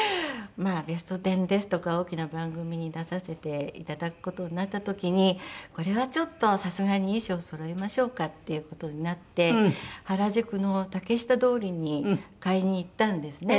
『ベストテン』ですとか大きな番組に出させて頂く事になった時にこれはちょっとさすがに衣装をそろえましょうかっていう事になって原宿の竹下通りに買いに行ったんですね